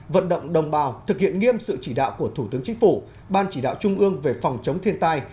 vận động đồng bào thực hiện nghiêm sự chỉ đạo của thủ tướng chính phủ ban chỉ đạo trung ương về phòng chống thiên tai